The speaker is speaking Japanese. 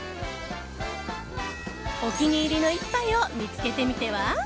お気に入りの１杯を見つけてみては？